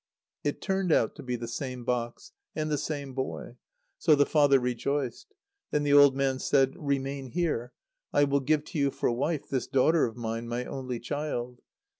It turned out to be the same box, and the same boy. So the father rejoiced. Then the old man said: "Remain here. I will give to you for wife this daughter of mine, my only child.